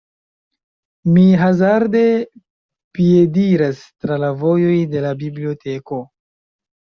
Mi hazarde piediras tra la vojoj de la biblioteko.